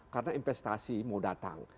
karena investasi mau datang